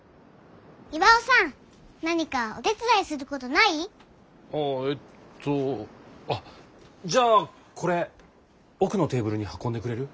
巌さん何かお手伝いすることない？ああえっとあっじゃあこれ奥のテーブルに運んでくれる？